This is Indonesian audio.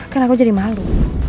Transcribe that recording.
kan aku jadi malu